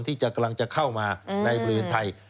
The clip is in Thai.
กำลังจะเข้ามาในบริเวณไทย